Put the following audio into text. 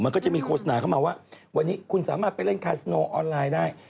มันก็จะมีโฆษณาเข้ามาว่าวันนี้คุณสามารถไปเล่นคาสโนออนไลน์ได้